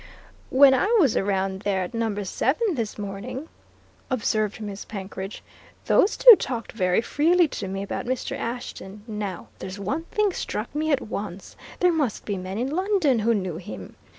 "When I was round there, at Number Seven, this morning," observed Miss Penkridge, "those two talked very freely to me about Mr. Ashton. Now, there's one thing struck me at once there must be men in London who knew him.